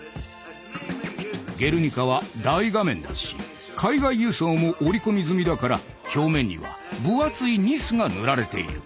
「ゲルニカ」は大画面だし海外輸送も織り込み済みだから表面には分厚いニスが塗られている。